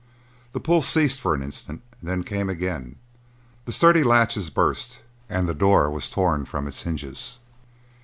The pull ceased for an instant, then came again; the sturdy latches burst and the door was torn from its hinges.